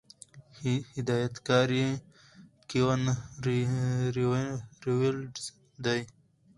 هدايتکار ئې Kevin Reynolds دے